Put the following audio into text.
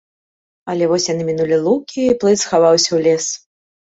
Але вось яны мінулі лукі, і плыт схаваўся ў лес.